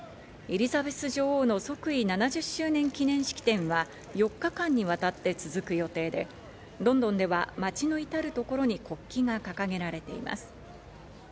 エリザベス女王の即位７０周年記念式典は４日間にわたって続く予定で、ロンドンでは街のいたるところに国旗が掲げられています。